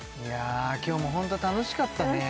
今日もホント楽しかったね